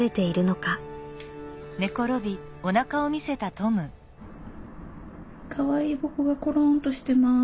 かわいい僕がころんとしてます。